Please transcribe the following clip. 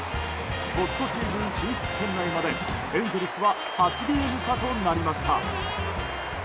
ポストシーズン進出圏内までエンゼルスは８ゲーム差となりました。